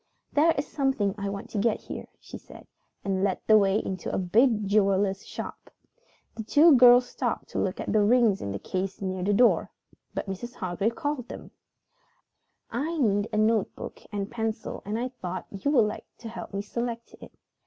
"There is something I want to get here," she said, and led the way into a big jeweler's shop. The two girls stopped to look at the rings in the case near the door, but Mrs. Hargrave called them. "I need a notebook and pencil and I thought you would like to help me select it.